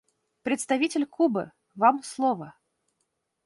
Представитель Кубы, Вам слово.